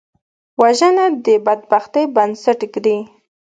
وژنه د بدبختۍ بنسټ ږدي